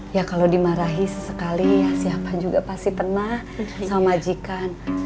ya kalau dimarahi sesekali ya siapa juga pasti pernah sama majikan